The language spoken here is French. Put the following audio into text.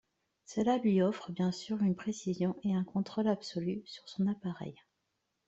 Cela lui offre bien sûr une précision et un contrôle absolu sur son appareil.